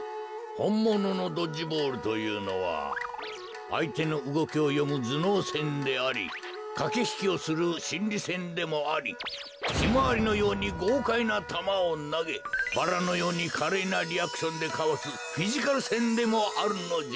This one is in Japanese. ほんもののドッジボールというのはあいてのうごきをよむずのうせんでありかけひきをするしんりせんでもありヒマワリのようにごうかいなたまをなげバラのようにかれいなリアクションでかわすフィジカルせんでもあるのじゃ。